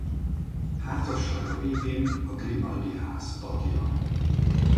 Házassága révén a Grimaldi-ház tagja.